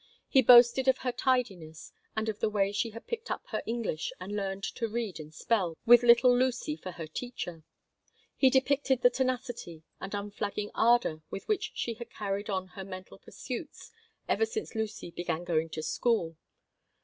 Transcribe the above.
He boasted of her tidiness and of the way she had picked up her English and learned to read and spell, with little Lucy for her teacher. He depicted the tenacity and unflagging ardor with which she had carried on her mental pursuits ever since Lucy began to go to school.